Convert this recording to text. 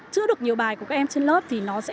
chữ được nhiều bài của các em trên lớp thì nó sẽ